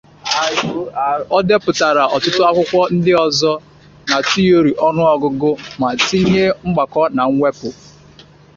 O bipụtara ọtụtụ akwụkwọ ndị ọzọ na tiori ọnụọgụ ma tinye mgbakọ na mwepụ.